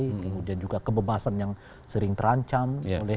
kemudian juga kebebasan yang sering terancam